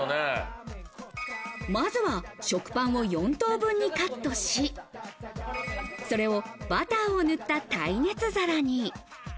まずは食パンを４等分にカットし、それをバターを塗った耐熱皿に。